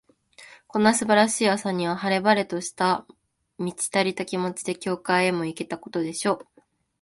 こんな素晴らしい朝には、晴れ晴れとした、満ち足りた気持ちで、教会へも行けたことでしょう。